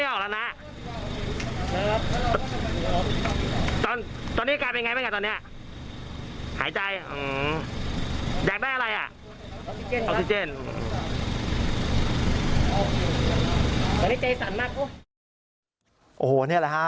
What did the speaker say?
โอ้โหนี่แหละฮะ